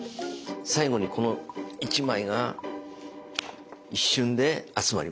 最後にこの１枚が一瞬で集まります。